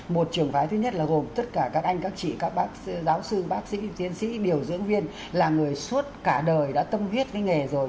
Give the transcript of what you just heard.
một trường phái thứ nhất là gồm tất cả các anh các chị các bác giáo sư bác sĩ tiến sĩ điều dưỡng viên là người suốt cả đời đã tâm huyết với nghề rồi